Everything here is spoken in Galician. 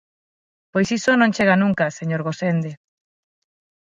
Pois iso non chega nunca, señor Gosende.